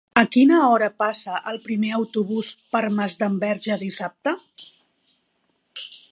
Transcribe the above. A quina hora passa el primer autobús per Masdenverge dissabte?